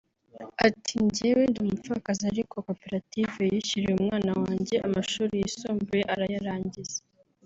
Ati “ Njyewe ndi umupfakazi ariko koperative yishyuriye umwana wanjye amashuri yisumbuye arayarangiza